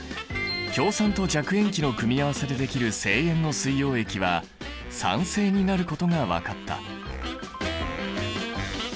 強酸と弱塩基の組み合わせでできる正塩の水溶液は酸性になることが分かった。